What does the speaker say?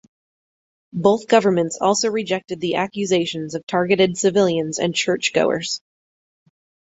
Both governments also rejected the accusations of targeted civilians and churchgoers.